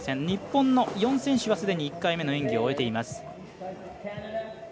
日本の４選手はすでに１回目の演技を終えています。